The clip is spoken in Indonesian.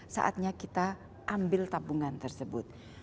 saatnya kita ambil tabungan tersebut